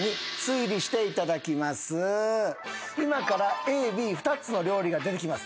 今からＡＢ２つの料理が出てきます。